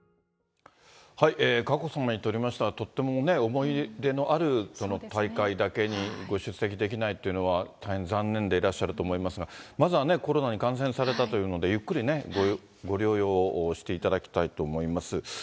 佳子さまにとりましては、とっても思い入れのある大会だけに、ご出席できないというのは大変残念でいらっしゃると思いますが、まずはね、コロナに感染されたというので、ゆっくりね、ご療養をしていただきたいと思います。